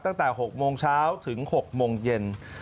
ตั้งแต่๖โมงเช้าถึง๖โมงเย็น